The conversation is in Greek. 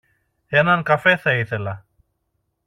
Έναν καφέ θα ήθελα